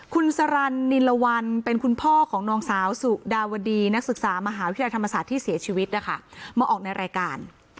คุณสรรนิลวันเป็นคุณพ่อของนางสาวสุดาวดีนักศึกษามหาวิทยาลัยธรรมศาสตร์ที่เสียชีวิตนะคะมาออกในรายการ